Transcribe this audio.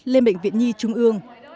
lên bệnh viện nhi trung ương